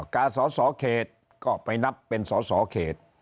กาสสเขตก็ไปนับเป็นสอสอเขต